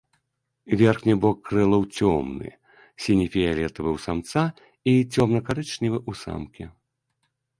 Верхні бок крылаў цёмны, сіне-фіялетавы ў самца і цёмна-карычневы ў самкі.